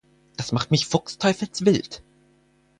Das macht mich fuchsteufelswild!